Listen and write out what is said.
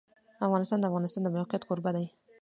افغانستان د د افغانستان د موقعیت کوربه دی.